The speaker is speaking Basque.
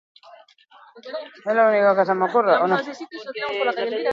Ondorio bera du ioien karga handitzeak.